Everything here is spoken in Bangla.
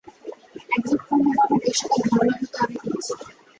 একজন পূর্ণমানব এই-সকল ধারণা হইতে অনেক উচ্চে।